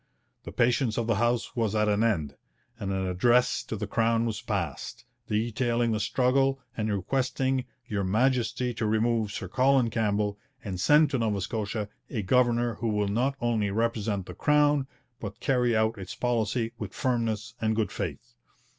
The patience of the House was at an end, and an address to the Crown was passed, detailing the struggle and requesting 'Your Majesty to remove Sir Colin Campbell and send to Nova Scotia a governor who will not only represent the Crown, but carry out its policy with firmness and good faith.'